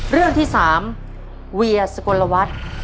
เรื่องที่๓เวียสกลวัฒน์